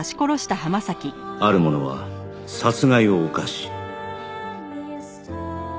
ある者は殺害を犯し